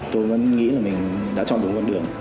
tôi vẫn nghĩ là mình đã chọn đúng con đường